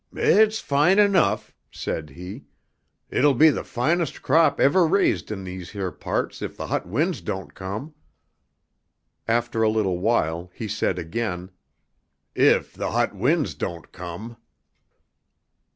"It's fine enough," said he, "it'll be the finest crop ever raised in these here parts if the hot winds don't come." After a little while he said again: "If the hot winds don't come."